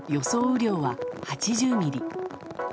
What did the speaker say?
雨量は８０ミリ。